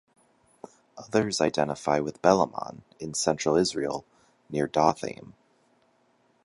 Others identify it with Belamon, in Central Israel, near Dothaim.